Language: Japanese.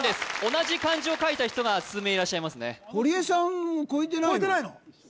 同じ漢字を書いた人が数名いらっしゃいますね堀江さん超えてないの？